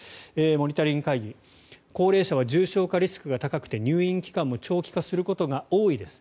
モニタリング会議高齢者は重症化リスクが高くて入院期間も長期化することが多いです。